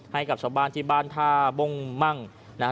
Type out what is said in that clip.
ให้กับชาวบ้านที่บ้านท่าบ้งมั่งนะฮะ